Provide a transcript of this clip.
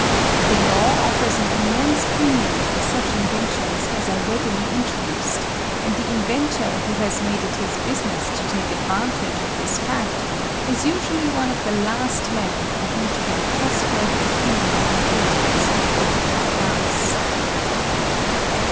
The law offers an immense premium for such inventions as are readily introduced, and the inventor who has made it his business to take advantage of this fact is usually one of the last men from whom to get a trustworthy opinion on patents of a different class.